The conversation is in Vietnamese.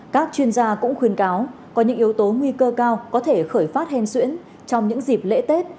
các chuyên gia cũng khuyên cáo có những yếu tố nguy cơ cao có thể khởi phát hen xuyễn trong những dịp lễ tết